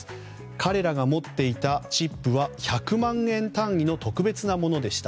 彼らが持っていたチップは１００万円単位の特別なものでした。